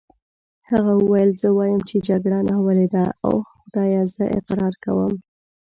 هغه وویل: زه وایم چې جګړه ناولې ده، اوه خدایه زه اقرار کوم.